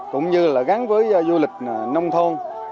cũng như là gắn với du lịch nông thôn